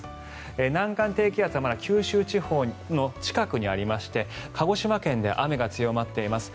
南岸低気圧はまだ九州地方の近くにありまして鹿児島県で雨が強まっています。